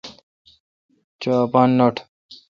چو اپان نٹ۔